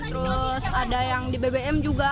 terus ada yang di bbm juga